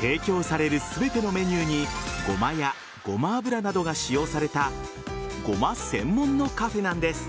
提供される全てのメニューにごまやごま油などが使用されたごま専門のカフェなんです。